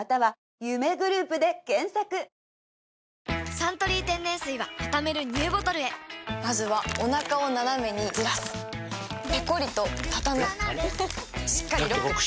「サントリー天然水」はたためるＮＥＷボトルへまずはおなかをナナメにずらすペコリ！とたたむしっかりロック！